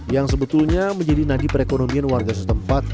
yang sebetulnya menjadi nadi perekonomian warga setempat